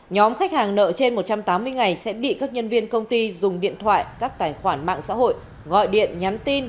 nhóm khách hàng nợ trên một trăm tám mươi ngày sẽ bị các nhân viên công ty dùng điện thoại các tài khoản mạng xã hội gọi điện nhắn tin